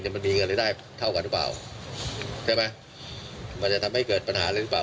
มันมีเงินรายได้เท่ากันหรือเปล่าใช่ไหมมันจะทำให้เกิดปัญหาเลยหรือเปล่า